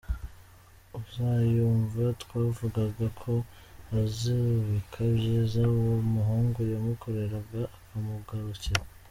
Uzanyumva, twavugaga ko azibuka ibyiza uwo muhungu yamukoreraga akamugarukira.